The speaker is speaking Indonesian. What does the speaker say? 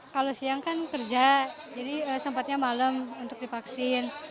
kalau siang kan kerja jadi sempatnya malam untuk divaksin